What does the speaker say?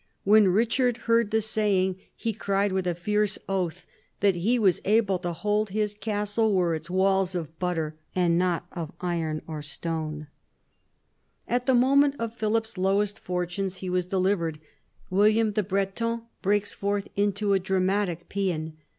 When Richard heard the saying he cried with a fierce oath that he was able to hold his castle were its walls of butter and not of iron or stone. in THE FALL OF THE ANGEVINS 63 At the moment of Philip's lowest fortunes he was delivered. William the Breton breaks forth into a dramatic paean.